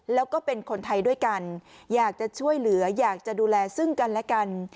แล้วก็เป็นคนไทยด้วยกันอยากจะช่วยเหลืออยากจะดูแลซึ่งกันและกัน